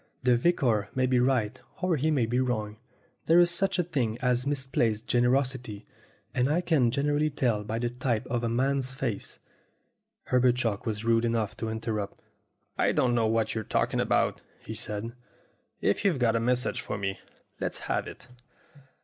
The vicar may be right or he may be wrong. There is such a thing as misplaced gener osity, and I can generally tell by the type of a man's face " Herbert Chalk was rude enough to interrupt. "I don't know what you're talking about," he said. "If you've got a message for me, let's have it."